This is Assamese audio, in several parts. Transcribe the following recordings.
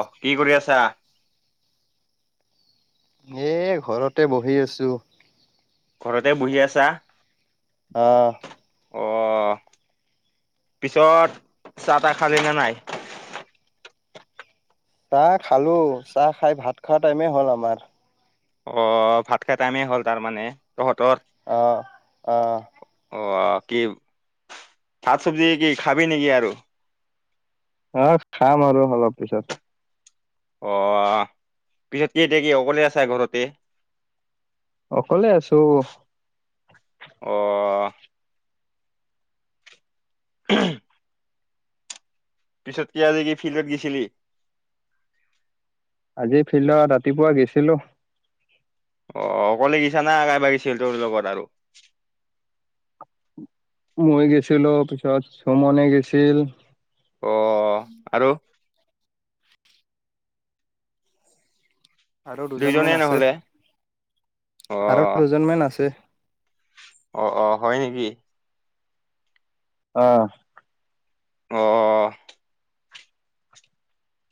অ কি কৰি আছা এ, ঘৰতে বহি আছোঁ। ঘৰতে বহি আছা? অ'। অ', পিছত চাহ তাহ খালি না নাই? চাহ খালোঁ, চাহ খাই ভাত খোৱা টাইমেই হ'ল আমাৰ। অ', ভাত খোৱা টাইমেই হ'ল তাৰমানে তহঁতৰ। অ'। অ'। অ', কি শাক চবজি কি খাবি নেকি আৰু? অ', খাম আৰু অলপ পিছত। অ', পিছত কি এতিয়া কি অকলে আচা ঘৰতেই? অকলে আছোঁ। অ'। [unintelligible] পিছত কি আজি কি ফিল্ডত গৈছিলি? আজি ফিল্ডত ৰাতিপুৱা গেছিলোঁ। অ', অকলে গিছা না আৰু কোনোবাছিল তোৰ লগত আৰু। মই গৈছিলোঁ, পিছত সুমনে গৈছিল। অ', আৰু? আৰু দুইজনে দুজনমান আছে, নহলে অ আৰু দুজনমান আছে। অ', অ' হয় নেকি? অ'। অ', অ'।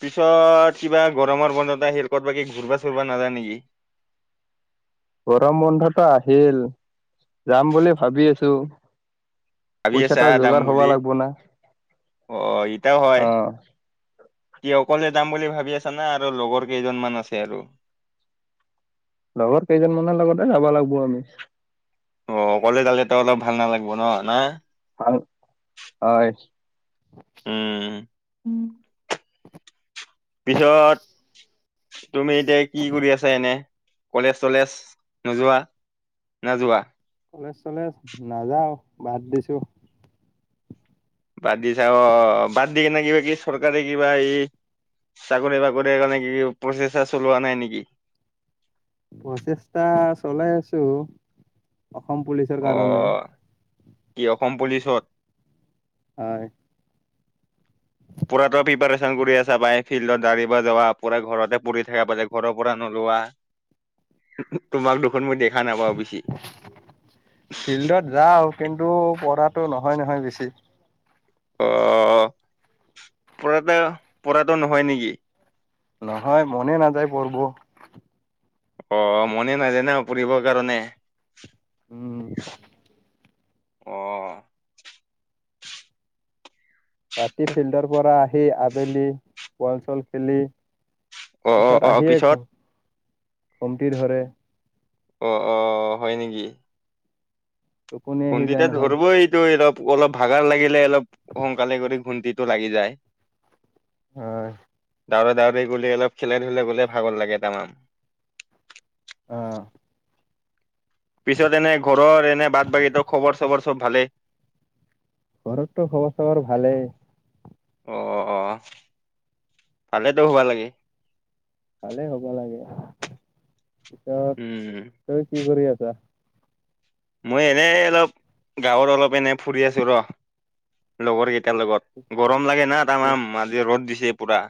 পিছত কিবা গৰমৰ বন্ধত হেৰ কত বাকি ঘূৰবা চুৰবা নাযাও নেকি? গৰম বন্ধটো আহিল, যাম বুলি ভাবি আছোঁ। ভাবি আছা যাম বুলি, লাগব না অ', ইতাও হয়। অ কি অকলে যাম বুলি ভাবি আচা না আৰু লগৰ কেইজনমান আছে আৰু? লগৰ কেইজন মানৰ লগতে যাব লাগব আৰু। অ', অকলে যালে তো অলপ ভাল নালাগিব ন না। আৰু হয়। উম। পিছত তুমি এতিয়া কি কৰি আছা এনেই? কলেজ চলেজ নোযোৱা না যোৱা? কলেজ চলেজ নাযাওঁ, বাদ দিছোঁ। বাদ দিচা অ', বাদ দি কেনে কিবা কি চৰকাৰী কিবা এই চাকৰি বাকৰি কাৰণে কি প্ৰচেষ্টা চলোৱা নাই নেকি? প্ৰচেষ্টা চলাই আছোঁ, অসম পুলিচৰ অ কাৰণে। কি অসম পুলিচত? হয়। পুৰাতো প্ৰিপাৰেচন কৰি আছা পাই ফিল্ডতা়ব যাৱা, পুৰা ঘৰতে পঢ়ি থাকা পুৰা ঘৰৰ পৰা নোলোৱা। তোমাক দেখোন মই দেখা নাপাও বেছি। ফিল্ডত যাওঁ কিন্তু পঢ়াটো নহয় নহয় বেছি। অ' পঢ়াটো, পঢ়াটো নহয় নেকি? নহয়, মনেই নাযায় পঢ়ব। অ' মনেই নাজাই পঢ়িবৰ কাৰণে? উম। অ ৰাতি ফিল্ডৰপৰা আহি আবেলি বল চল খেলি অ অ পিছত অ আহিয়ে খো পিছত খুমটি ধৰে। অ', অ' হয় নেকি? টোপনি আহি যায় ঘুমটিটো নহয় ধৰিবই, এইটো অলপ অলপ ভাগৰ লাগিলে, অলপ সোনকালে কৰি ঘুমটিটো লাগি যায়। হয়। দাউৰি দাউৰি গ'লে, অলপ খেলা ধুলা কৰিলে ভাগৰ লাগে তামাম। অ'। পিছত এনে ঘৰৰ এনে বাট বাকীত খবৰ চবৰ চব ভালেই। ঘৰততো খবৰ চবৰ ভালেই। অ' ভালেইতো হবা লাগে। ভালে হ'ব লাগে পিছত, উম তই কি কৰি আছ? মই এনেই অলপ গাঁৱত অলপ এনে ফুৰি আছোঁ ৰ। লগৰকেইটাৰ লগত। গৰম লাগে না তামাম আজি ৰ'দ দিছে পুৰা।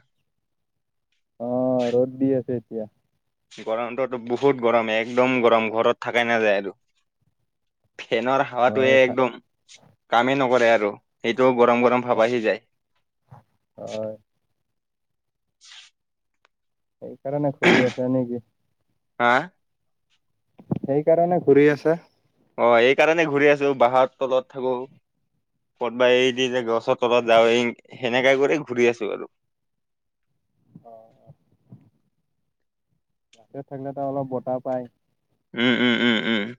অ' ৰ'দ দি আছে এতিয়া। গৰমটোতো বহুত গৰম, একদম গৰম, ঘৰত থাকাই নাযায় আৰু। ফেনৰ হাৱাতোৱে হয় একদম কামেই নকৰে আৰু সেইটোও গৰম গৰম ভাব আহি যায়। হয়। সেইকাৰণে ঘূৰি আছ নেকি? হা? সেইকাৰণে ঘূৰি আছা? অ' এই কাৰণে ঘূৰি আছোঁ, বাহৰ তলত থাকো। ক'ত বা এই দি যে গছৰ তলত যাও, সেনেকা কৰি ঘূৰি আছোঁ আৰু। অ'। বাহিৰত থাকিলেতো অলপ বতাহ পায়। উম, উম, উম। উম, উম।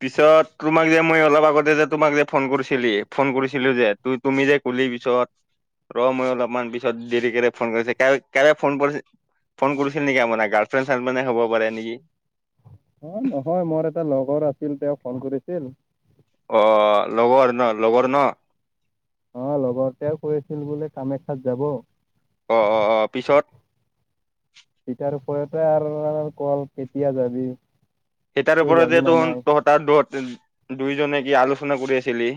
পিছত তোমাক যে মই অলপ আগতে যে তোমাক যে ফোন কৰিছিলি ফোন কৰিছিলোঁ যে ত' তুমি যে কলি পিছত ৰ মই অলপমান পিছত দেৰিকে ফোন কৰিছে, কাৰাৰে ফোন কৰিছে ফোন কৰিছিল নেকি, গাৰ্ল ফ্ৰেণ্ড হ'ব পাৰে নেকি? অ' নহয়, মোৰ এটা লগৰ আছিল তেওঁ ফোন কৰিছিল। অ' লগৰ ন' লগৰ ন'? অ' লগৰটোৱে কৈ আছিল বোলে কামাখ্যাত যাব। অ', অ', অ' পিছত? তেতাৰ ওপৰতে আৰু কল কেতিয়া যাবি। সেতাৰ তই ওপৰতে যাবি না তহ নাই তহঁতাৰ দৰত দুইজনে কি আলোচনা কৰি আছিলি?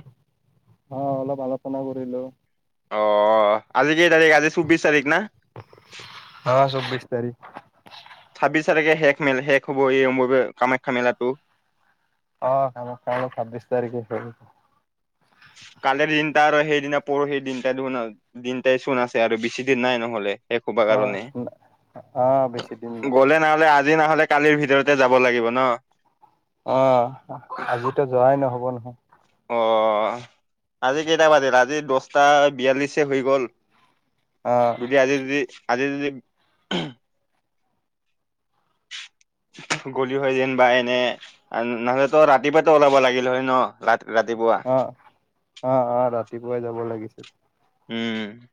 হয় অলপ আলোচনা কৰিলো। অ' আজি কেই তাৰিখ, আজি চৌব্বিশ তাৰিখ না? হয় চৌবিশ তাৰিখ। ছাব্বিচ তাৰিখে শেষ শেষ হ'ব এই অম কামাখ্যা মেলাটো। অ' কামাখ্যা মেলা ছাব্বিশ তাৰিখে শেষ হ'ব। কালিৰ দিনটা আৰু সেইদিনা পৰোহি সেই দিনটা ধন আৰু দিনটাই চোন আছে আৰু বেছি দিন নাই নহ'লে। শেষ হবই অ মানে। অ বেছি দিন নাই গ'লে নহ'লে আজি নহ'লে কালিৰ ভিতৰতে যাব লাগিব ন'? অ' আজিতো যোৱাই নহ'ব নহয়। অ' আজি কেইটা বাজিল আজি দহটা বিয়াল্লিশে হৈ গ'ল। অ অ যদি আজি যদি আজি যদি গলি হয় যেন বা এনে নহলে তো ৰাতিপুৱাতো ওলাব লাগিল হয় ন ৰা ৰাতিপুৱা অ', অ', অ' ৰাতিপুৱাই যাব লাগিছিল। উম।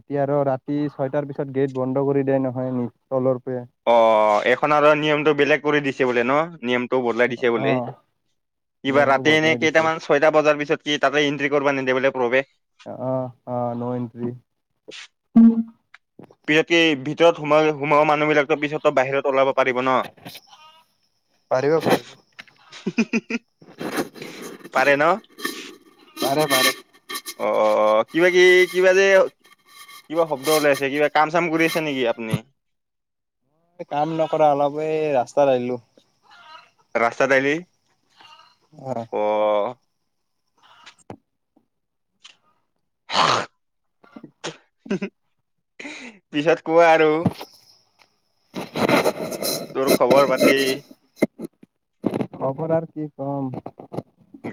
এতিয়া আৰু ৰাতি ছয়টাৰ পিছত গেট বন্ধ কৰি দিয়ে নহয় নিজ তলৰ পৰায়ে। অ' এইখন আৰু নিয়মটো বেলেগ কৰি দিছে বোলে ন নিয়ম বদলাই দিছে বোলে অ কিবা নিয়মটো ৰাতি বদলাই এনে দিছে কেইটামান ছয়টা বজাৰ পিছত কি তাতে এণ্ট্ৰি কৰিবা নিদে বলে প্ৰৱেশ। অ', অ' নো এন্ট্ৰি। পিছত ভিতৰত সোমাই সোমাবোৱা মানুহ বিলাকো পিছতো বাহিৰত ওলাব পাৰিব ন পাৰিব পাৰে ন? পাৰে পাৰে। অ', অ', অ' কিবা কি কিবা যে? কিবা শব্দ ওলাই আছে কিবা কাম চাম কৰি আছে নেকি আপুনি? কাম নকৰা অলপে ৰাস্তাত আহিলো ৰাস্তাত আহলি [inaudible] অ' পিছত কোৱা আৰু? তোৰ খবৰ পাতি খবৰ আৰু কি কম?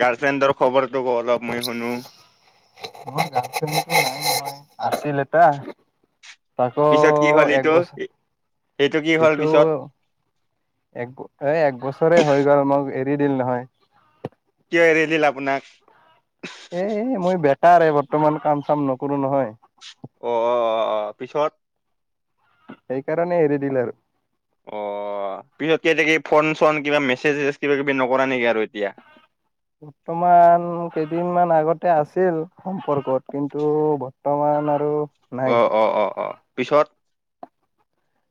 গাৰ্লফ্ৰেণ্ডৰ খবৰটো ক অলপ মই শুনো আছিলে এটা আকৌ পিছত কি হ'ল এইটো একবছৰ এইটো কি হ'ল সটো। পিছত এক এ এক বছৰে হৈ গ'ল মোক এৰি দিল নহয় কিয় এৰি দিল আপোনাক? এ মই বে বেকাৰ বৰ্তমান কাম চাম নকৰো নহয় অ', অ', অ', অ' পিছত? সেইকাৰণে এৰি দিল আৰু। অ', পিছত কেইতিাক ফোন চন কিবা মেছেজ কিবা কিবি নকৰা নেকি আৰু এতিয়া? বৰ্তমান কেইদিনমান আগতে আছিল সম্পৰ্কত কিন্তু বৰ্তমান আৰু নাই অ', অ', অ', অ' পিছত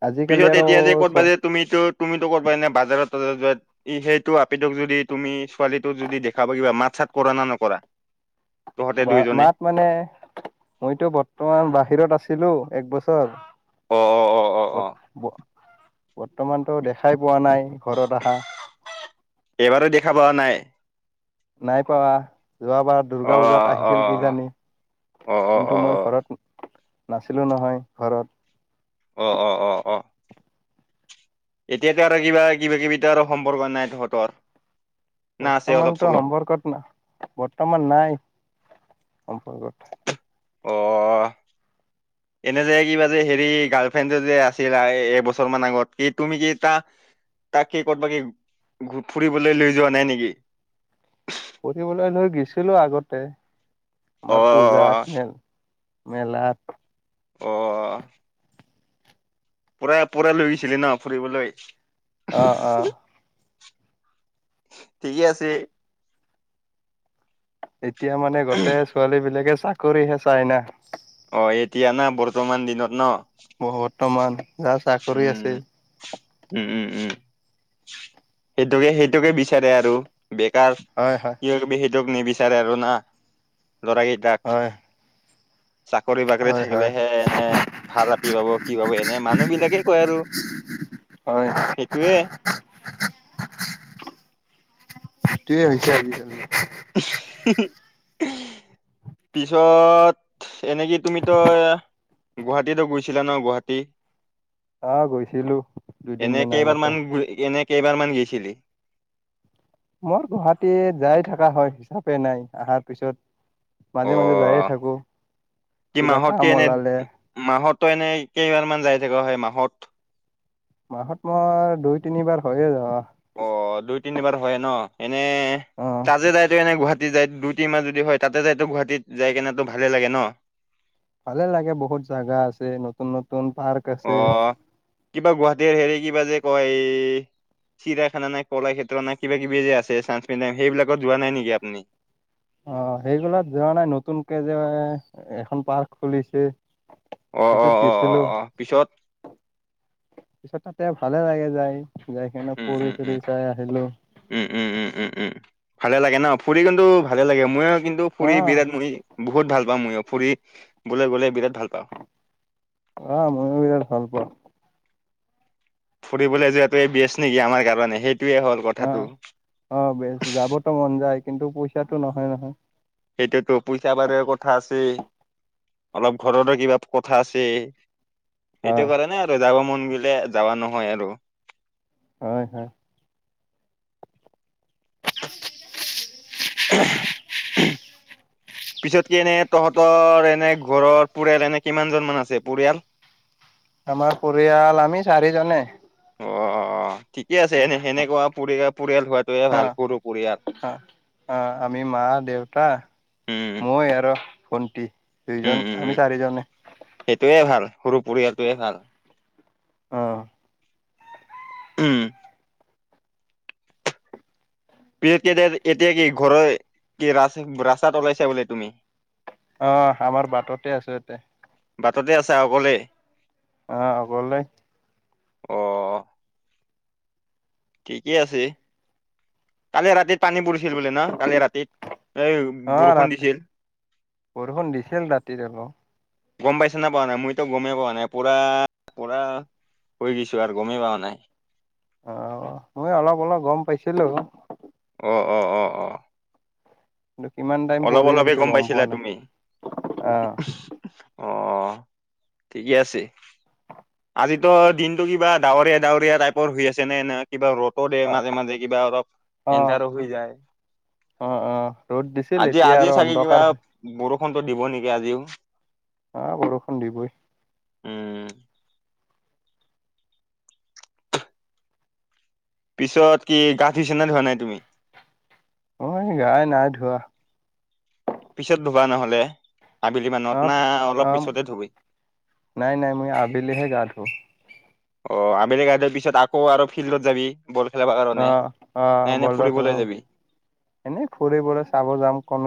আজিকালি পিছত আৰু এতিয়া যে ক'তব চ যে। তুমিতো তুমিো ক'বা এনে বাজাৰত ত যাত। ই সেইটো আপদক যদি তুমি ছোৱালীটোক যদি দেখাবা কিবা মাত চাত কৰা না নকৰা? তহঁতে বা দুইজনে মাত মানে মইতো বৰ্তমান বাহিৰত আছিলো এক অ অ অ অ বছৰ। অ বৰ্তমানতো দেখাই পোৱা নাই ঘৰত অহা। এইবাৰো দেখা পোৱা নাই? নাই পা যোৱাবাৰ অ দুৰ্গা পূজাত অ আহিছিল। কিজানি অ অ অ কিন্তু অ মই ঘৰত নাছিলোঁ নহয় ঘৰত। অ', অ', অ', অ'। এতিয়াতো আৰু কিবা কিবা কিবি আৰু সম্পৰ্ক নাই তহঁতৰ। না আছে অলপ বৰ্তমানতো চলপ সম্পৰ্কত ন বৰ্তমান নাই সম্পৰ্কত। অ' [inaudible] এনে যে কিবা যে হেৰি গাৰ্লফ্ৰেণ্ড যে আছিল এবছৰ মান আগত কি তুমি কি এটা। তাক কি ক'তবাকি ফুৰিবলৈ লৈ যোৱা নাই নেকি? ফুৰিবলৈ লৈ গৈছিলো আগতে অ আমাৰ পূজাাত মেল মেলাত। অ'। পুৰা পুৰা লৈ গৈছিলি ন ফুৰিবলৈ। অ', অ'। ঠিকেই আছে। এতিয়া মানে গোটেই ছোৱালীবিলাকে চাকৰিহে চাই না। অ', এতিয়া না বৰ্তমান দিনত ন। বৰ্তমান যাৰ চাকৰি আছে উম, উম, উম, উম। সেইটোকে সেইটোকে বিচাৰে আৰু বেকাৰ হয়, হয়। বি সটোক নিবিচাৰে আৰু না ল'ৰা কেইটাক। হয়। চাকৰি বাকৰি হয় হয় থাকিলেহে এনে ভাল আপি পাব কি পাব এনে মানুহ বিলাকে কয় আৰু। হয়। সেইটোৱে। সেইটোৱে হৈছে আজিকালি। [inaudible] পিছত এনেকি তুমি তই গুৱাহাটীতো গৈছিলা ন গুৱাহাটী? অ গৈছিলো দুদিন এনে মান আগতে। কেইবাৰমান গ এনে কেইবাৰমান গৈছিলি? মোৰ গুৱাহাটী যায় থকা হয় হিচাপে নাই অহাৰ পিছত। অ মাজে মাজে যায়ে থাকো কি কিবা মাহতকে কাম এনে ওলালে। মাহতো এনে কেইবাৰ মান যায় থাক সেই মাহত? মাহত মই দুই তিনিবাৰ হয়য়ে যোৱা। অ', দুই তিনিবাৰ হয় ন এনে অ। তাজে যায়তো এনে গুৱাহাটী যায় দুই মাহ যদি হয় তাতে যাইতো গুৱাহাটীত যাই কেনোতো ভালে লাগে ন। ভালে লাগে বহুত জাগা আছে নতুন নতুন পাৰ্ক। আছে অ', কিবা গুৱাহাটীৰ হেৰি কিবা যে কয় এই চিৰিয়াখানা নে কলা ক্ষেত্ৰত নাই কিবাকিবি যে আছে চাইনচ মিউজিয়াম সেইবিলাক যোৱা নাই নেকি আপুনি? অ', সেইবিলাক যোৱা নাই নতুনকে যে এখন পাৰ্ক খুলিছে। অ অ সেইটোত অ অ গেছিলো। অ পিছত সচাকে ভালে লাগে যায় যায় কেনে উম উম ফুৰি উম চাই আহিলো। উম, উম, উম, উম, ভালে লাগে ন ফুৰি কিন্তু ভালে লাগে ময়ো কিন্তু অ। ফুৰি বিৰাট মৰি বহুত ভাল পাওঁ মইয়ো ফুৰিবলৈ গ'লে বিৰাট ভাল পাওঁ। অ', ময়ো বিৰাট ভাল পাওঁ। ফুৰিবলৈ যোৱাটোৱে বেচ নেকি আমাৰ কাৰণে সেইটোয়ে হ'ল। কথাটো অ', অ', বেছ যাবতো মন যায় কিন্তু পইচাটো নহয় নহয়। সেইটোয়তো পইচা পাতিৰো কথা আছেই। অলপ ঘৰৰো কিবা কথা আছে। অ সেইটো কৰা নাই আৰু যাব মন গ'লে যাৱা নহয় আৰু। হয়, হয়। [inaudible] পিছত কি এনে তহঁতৰ এনে ঘৰৰ পৰিয়াল এনে কিমানজন মান আছে পৰিয়াল? আমাৰ পৰিয়াল আমি চাৰিজনে। অ', অ', অ', ঠিকে আছে এনে সেনেকুৱা পৰি পৰিয়াল হোৱা অ', অ', অ', আমি মা দেউতা উম মই আৰু ভন্টি। দুইজন উম, উম, আমি উম চাৰিজনে সেইটয়ে ভাল সৰু পৰিয়ালটোয়ে ভাল। অ'। উম। তিয়া এতিয়া কি ঘৰৰ কি ৰা ৰাস্তাত ওলাইছা বোলে তুমি। অ, আমাৰ বাটতে আছো ইয়াতে। বাটতে আছা অকলে। অ, গললে। অ'। ঠিকেই আছে কালি ৰাতিত পানী পৰিছিল বোলে ন কালি ৰাতি। অ, ৰাতি বৰষুণ দিছিল ৰাতিত অলপ। গম পাইছ নে পোৱা নাই মইতো গমেই পোৱা নাই পুৰা, পুৰা। শুই গছো আৰু গমেই পা নাই। অ, মই অলপ, অলপ গম পাইছিলো। অ', অ'। অ অ কিন্তু কিমান টাইম অলপ, পৰিল অলপে সেইটো গম পোৱা পাইছিলা নাই তুমি? অ অ, ঠিকে আছে। আজিতো দিনটো কিবা ডাৱৰীয়া, ডাৱৰীয়া টাইপৰ হৈ আছে নে এনে। কিবা ৰ'দো দিয়ে অ মাজে, মাজে কিবা অলপ অ এন্ধাৰো হৈ যায়। অ', অ', ৰ'দ দিছিল আজি এতিয়া আজি আৰু চাগে কিবা অন্ধকাৰ। বৰষুণতো দিব নেকি আজিও। হা বৰষুণ দিবই। উম পিছত কি গা ধুইচা না ধুৱা নাই তুমি? অ, গা নাই ধোৱা। পিছত ধুবা নহ'লে। আবেলি মানত অ না পিছে অলপ অ পিছতে ধুবি। নাই নাই মই আবেলিহে গা ধো অ, আবেলি গা ধুই পিছত আকৌ আৰু ফিল্ডত যাবি। বল খেলাব অ কাৰণে অ না এনে বলদৰ খেলাব ফুৰিবলৈ যাবি। এনেই ফুৰি চাব যাম কো